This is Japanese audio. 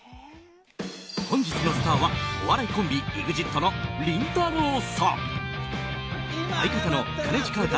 本日のスターはお笑いコンビＥＸＩＴのりんたろー。